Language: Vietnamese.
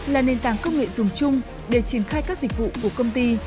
là nền tảng công nghệ dùng chung để triển khai các dịch vụ của công ty